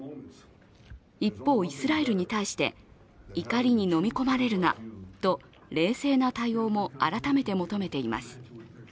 一方、イスラエルに対して怒りにのみ込まれるなと冷静な対応も改めて求めています。